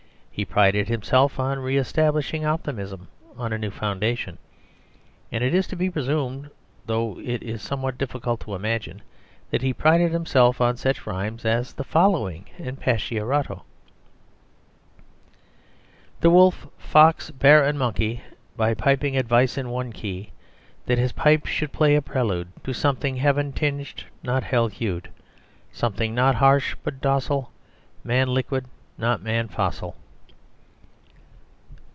He prided himself on re establishing optimism on a new foundation, and it is to be presumed, though it is somewhat difficult to imagine, that he prided himself on such rhymes as the following in Pacchiarotto: "The wolf, fox, bear, and monkey, By piping advice in one key That his pipe should play a prelude To something heaven tinged not hell hued, Something not harsh but docile, Man liquid, not man fossil."